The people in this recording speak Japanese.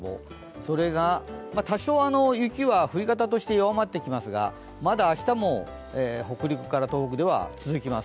それが多少、雪は降り方として弱まってきますがまだ明日も北陸から東北では続きます。